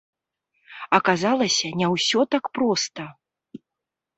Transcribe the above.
Аказалася не ўсё так проста.